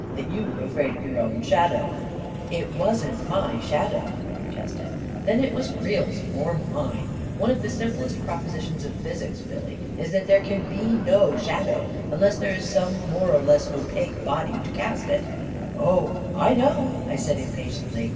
" That you were afraid of your own shadow I "" It wasn't my shadow !" I protested. 44 Then it was Creel's or mine 1 One of the sim plest propositions of physics, Billy, is that there can be no shadow unless there is some more or less opaque body to cast it 1 " 44 Oh, I know!" I said, impatiently.